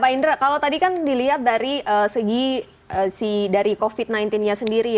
pak indra kalau tadi kan dilihat dari segi dari covid sembilan belas nya sendiri